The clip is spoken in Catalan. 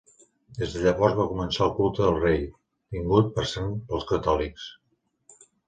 Des de llavors va començar el culte al rei, tingut per sant pels catòlics.